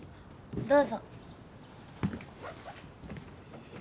どうぞ。